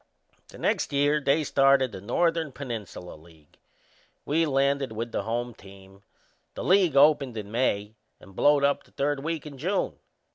The next year they started the Northern Peninsula League. We landed with the home team. The league opened in May and blowed up the third week in June.